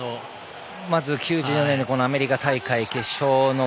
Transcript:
まず、９４年アメリカ大会決勝のね。